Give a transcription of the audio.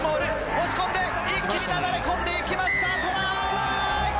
押し込んで一気になだれ込んでいきました！トライ！